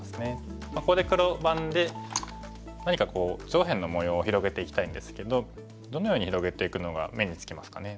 ここで黒番で何か上辺の模様を広げていきたいんですけどどのように広げていくのが目につきますかね。